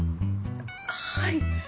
はい。